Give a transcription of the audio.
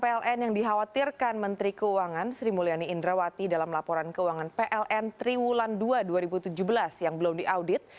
pln yang dikhawatirkan menteri keuangan sri mulyani indrawati dalam laporan keuangan pln triwulan ii dua ribu tujuh belas yang belum diaudit